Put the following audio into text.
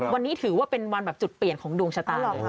วันนี้ถือว่าเป็นวันแบบจุดเปลี่ยนของดวงชะตาเลย